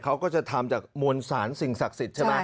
เขาก็จะทำจากมวลสารสิ่งศักดิ์สิทธิ์ใช่ไหม